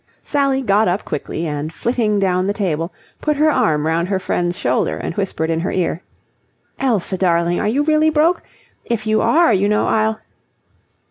Sally got up quickly, and flitting down the table, put her arm round her friend's shoulder and whispered in her ear: "Elsa darling, are you really broke? If you are, you know, I'll..."